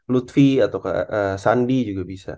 lutfi atau sandi juga bisa